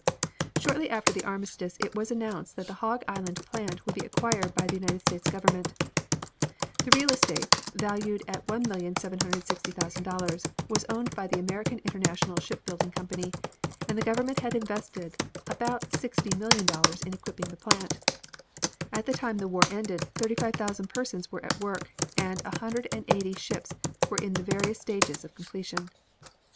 Shortly after the armistice it was announced that the Hog Island plant would be acquired by the United States Government. The real estate, valued at $1,760,000, was owned by the American International Ship Building Company, and the government had invested about $60,000,000 in equipping the plant. At the time the war ended thirty five thousand persons were at work and a hundred and eighty ships were in various stages of completion.